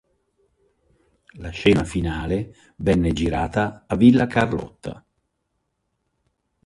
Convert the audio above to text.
La scena finale venne girata a Villa Carlotta.